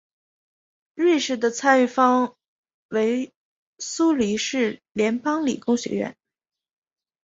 瑞士的参与方为苏黎世联邦理工学院。